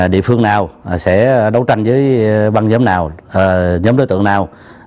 địa phương nào sẽ đấu tranh với băng giám nào giám đối tượng nào